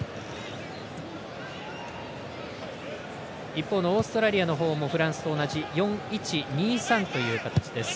一方のオーストラリアの方もフランスと同じ４−１−２−３という形です。